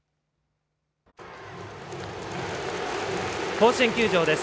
甲子園球場です。